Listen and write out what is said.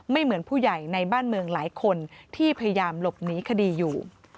เหมือนผู้ใหญ่ในบ้านเมืองหลายคนที่พยายามหลบหนีคดีอยู่